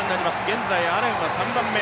現在アレンは３番目。